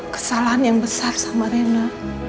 kesalahan yang besar sama rena